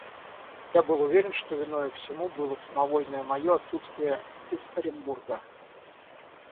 Я был уверен, что виною всему было самовольное мое отсутствие из Оренбурга.